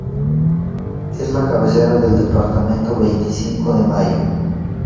Es la cabecera del departamento Veinticinco de Mayo.